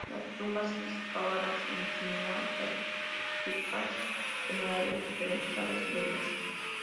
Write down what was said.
Las tumbas excavadas insinúan prácticas funerarias diferentes a las griegas.